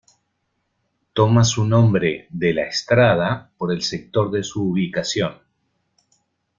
Toma su nombre "de la Estrada" por el sector de su ubicación.